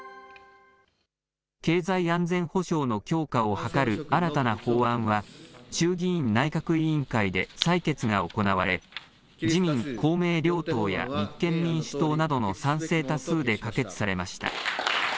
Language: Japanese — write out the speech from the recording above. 経済安全保障の強化を図る新たな法案は、衆議院内閣委員会で採決が行われ、自民、公明両党や立憲民主党などの賛成多数で可決されました。